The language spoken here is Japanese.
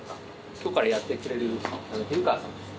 今日からやってくれる比留川さんです。